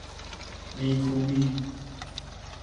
نیکوئی